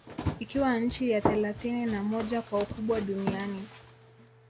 Ikiwa nchi ya thelathini na moja kwa ukubwa Duniani